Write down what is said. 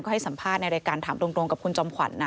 ให้สัมภาษณ์ในรายการถามตรงกับคุณจอมขวัญ